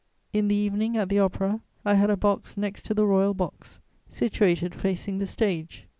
In the evening, at the Opera, I had a box next to the Royal Box, situated facing the stage.